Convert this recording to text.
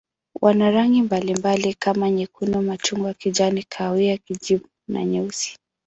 Wana rangi mbalimbali kama nyekundu, machungwa, kijani, kahawia, kijivu na nyeusi.